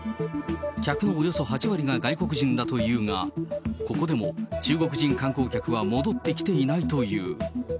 客のおよそ８割が外国人だというが、ここでも中国人観光客は戻ってきていないという。